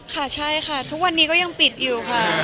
ค่ะใช่ค่ะทุกวันนี้ก็ยังปิดอยู่ค่ะ